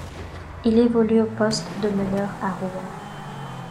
Il évolue au poste de meneur à Rouen.